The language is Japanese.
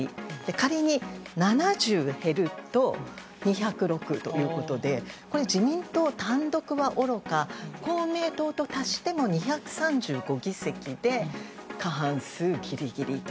仮に７０減ると２０６ということでこれ、自民党単独はおろか公明党と足しても２３５議席で過半数ギリギリと。